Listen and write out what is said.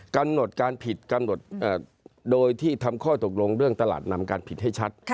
กำหนดการผิดกำหนดโดยที่ทำข้อตกลงเรื่องตลาดนำการผิดให้ชัด